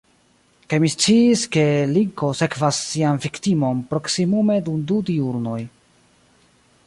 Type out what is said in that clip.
Kaj mi sciis, ke linko sekvas sian viktimon proksimume dum du diurnoj.